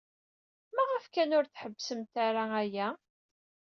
Maɣef kan ur tḥebbsem ara aya?